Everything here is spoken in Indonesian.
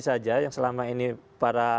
saja yang selama ini para